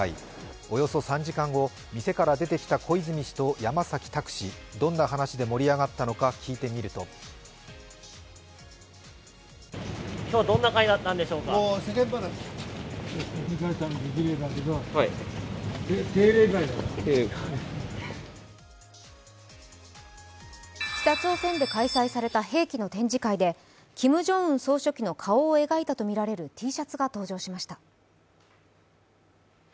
およそ３時間後、店から出てきた小泉氏と山崎拓氏、どんな話で盛り上がったのか聞いてみると北朝鮮で開催された兵器の展覧会でキム・ジョンウン総書記の顔を描いたとみられるＴシャツが登場しました。